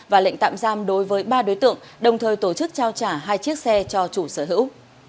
và lệnh tạm giam đối với ba đối tượng đồng thời tổ chức trao trả hai chiếc xe cho chủ sở hữu